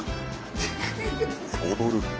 踊る。